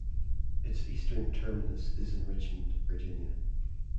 Its eastern terminus is in Richmond, Virginia.